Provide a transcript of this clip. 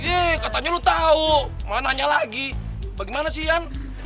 yee katanya lo tahu mana nanya lagi bagaimana sih yan